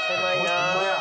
「ホンマや」